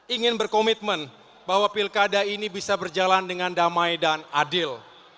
ingin berkomitmen bahwa pilkada ini bisa berjalan dengan damai dan adil